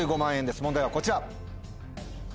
問題はこちら。